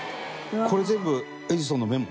これ全部エジソンのメモ？